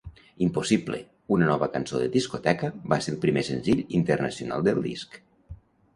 "Impossible", una nova cançó de discoteca, va ser el primer senzill internacional del disc.